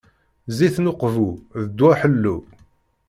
Zzit n Uqbu d ddwa ḥellu.